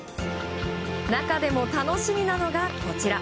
中でも楽しみなのが、こちら。